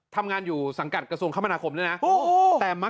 ทำงานอยู่สังกัดกระทรวงคมนาคมด้วยนะ